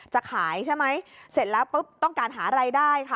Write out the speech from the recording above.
จะขายใช่ไหมเสร็จแล้วปุ๊บต้องการหารายได้ค่ะ